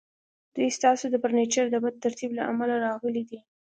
دوی ستاسو د فرنیچر د بد ترتیب له امله راغلي دي